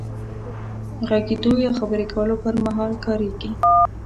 غږېدو يا خبرې کولو پر مهال کارېږي.